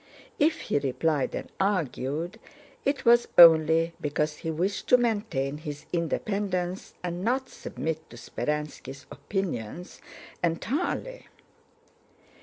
If he replied and argued, it was only because he wished to maintain his independence and not submit to Speránski's opinions entirely.